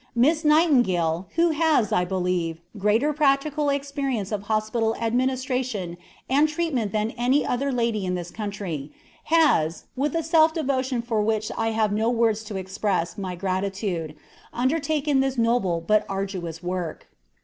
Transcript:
Miss Nightingale, who has, I believe, greater practical experience of hospital administration and treatment than any other lady in this country, has, with a self devotion for which I have no words to express my gratitude, undertaken this noble but arduous work."